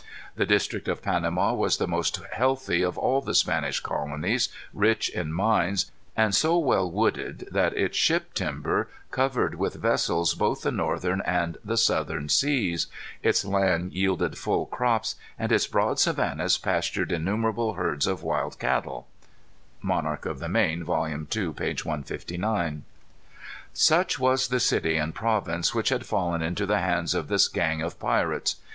The district of Panama was the most healthy of all the Spanish colonies, rich in mines, and so well wooded that its ship timber covered with vessels both the northern and the southern seas. Its land yielded full crops, and its broad savannas pastured innumerable herds of wild cattle."[A] [Footnote A: Monarchs of the Main, vol. ii. p. 159.] Such was the city and province which had fallen into the hands of this gang of pirates.